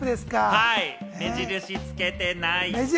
目印つけてない。